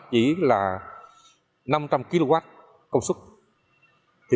chỉ là năm trăm linh kw công suất